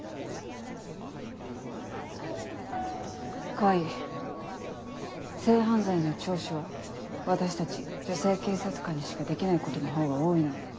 川合性犯罪の聴取は私たち女性警察官にしかできないことのほうが多いの。